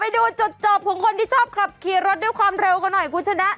ไปดูจดจบของคนที่ชอบขับเคลียร์รถด้วยความเร็วกว่าหน่อยคุณชนะ